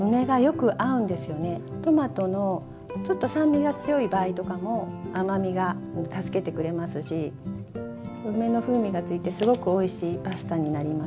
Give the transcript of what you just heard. トマトのちょっと酸味が強い場合とかも甘みが助けてくれますし梅の風味がついてすごくおいしいパスタになります。